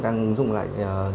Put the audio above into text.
đang dùng lại